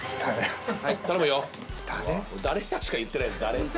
「誰や？」しか言ってないです。